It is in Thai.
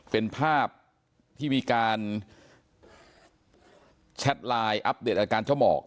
เป็นภาพที่มีการแชทไลน์อัปเดตอาการเจ้าหมอก